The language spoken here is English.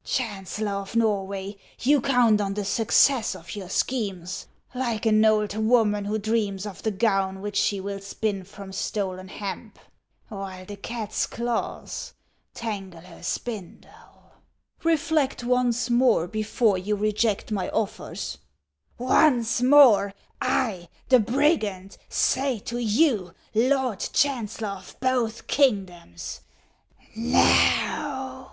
" Chancellor of Xorway, you count on the success of your schemes, like an old woman who dreams of the gown which she will spin from stolen hemp, while the cat's claws tangle her spindle." HANS OF ICELAND. 289 " Eetlect once more, before you reject my offers." " Once more, I, the brigand, say to you, Lord Chancellor of both kingdoms, No !